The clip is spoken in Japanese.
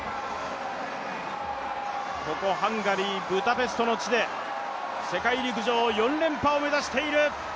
ここハンガリー・ブダペストの地で世界陸上４連覇を目指している。